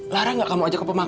lara gak mau ajak ke pemakaman